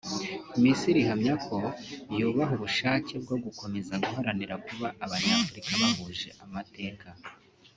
Misiri ihamya ko yubaha ubushake bwo gukomeza guharanira kuba Abanyafurika bahuje amateka